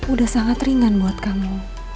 udah sangat ringan buat kamu